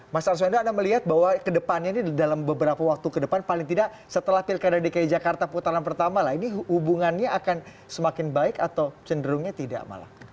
mas arswendo anda melihat bahwa kedepannya ini dalam beberapa waktu ke depan paling tidak setelah pilkada dki jakarta putaran pertama lah ini hubungannya akan semakin baik atau cenderungnya tidak malah